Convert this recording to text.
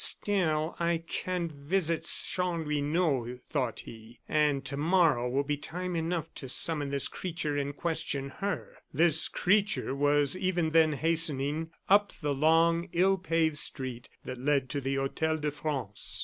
"Still, I can visit Chanlouineau," thought he, "and to morrow will be time enough to summon this creature and question her." "This creature" was even then hastening up the long, ill paved street that led to the Hotel de France.